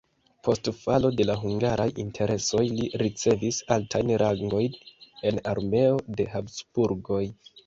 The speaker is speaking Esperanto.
Post falo de la hungaraj interesoj li ricevis altajn rangojn en armeo de Habsburgoj.